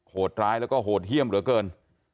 โหดร้ายแล้วก็โหดเยี่ยมเหลือเกิน